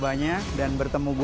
pas yang kebabe dipopulin